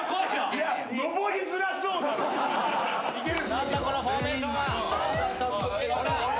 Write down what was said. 何だこのフォーメーションは。